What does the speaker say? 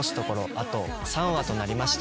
あと３話となりました。